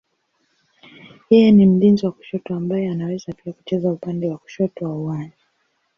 Yeye ni mlinzi wa kushoto ambaye anaweza pia kucheza upande wa kushoto wa uwanja.